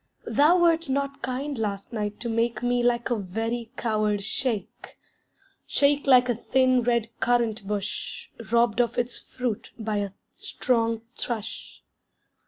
Thou wert not kind last night to make Me like a very coward shake Shake like a thin red currant bush Robbed of its fruit by a strong thrush.